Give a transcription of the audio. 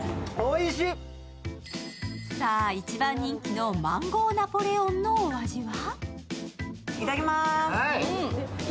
さあ、一番人気のマンゴー・ナポレオンのお味は？